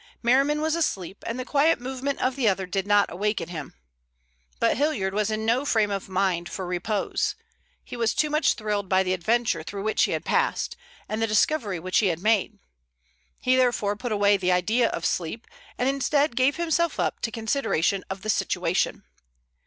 Merriman was asleep, and the quiet movement of the other did not awaken him. But Hilliard was in no frame of mind for repose. He was too much thrilled by the adventure through which he had passed, and the discovery which he had made. He therefore put away the idea of sleep, and instead gave himself up to consideration of the situation.